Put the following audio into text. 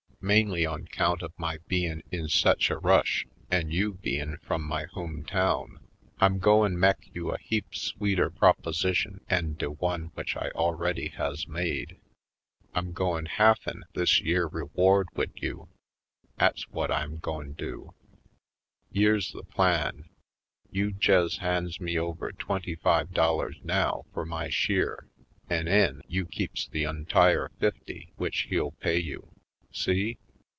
"Mainly on 'count of my bein' in sech a rush, an' you bein' frum my home Harlem Heights 83 town, I'm goin' mek you a heap sweeter proposition 'en de one w'ich I already has made. I'm goin' halfen this yere reward wid you; 'at's whut I'm goin' do. Yere's the plan : You jes' hands me over twenty five dollars now fur my sheer an' 'en you keeps the ontire fifty w'ich he'll pay you. See?